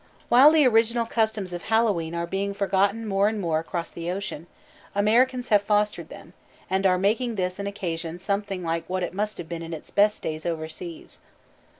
_ While the original customs of Hallowe'en are being forgotten more and more across the ocean, Americans have fostered them, and are making this an occasion something like what it must have been in its best days overseas.